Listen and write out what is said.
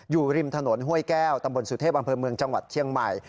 อยู่ริมถนนห้วยแก้วตำบลสุเทพอำเภอเมืองจังหวัดเชียงใหม่